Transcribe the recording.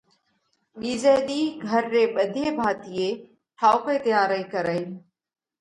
ٻِيزئہ ۮِي گھر ري ٻڌي ڀاتِيئي ٺائوڪئِي تيئارئِي ڪرئِي